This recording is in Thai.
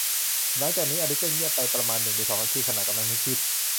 หลังจากนี้ อลิซก็เงียบไปประมาณหนึ่งหรือสองนาที ขณะกำลังนึกคิด